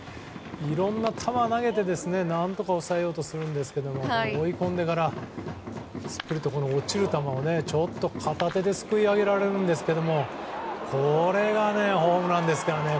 いろんな球を投げて何とか抑えようとするんですが追い込んでからスプリット落ちる球をちょっと、片手ですくい上げられるんですけどこれがホームランですからね。